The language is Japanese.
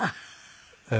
ええ。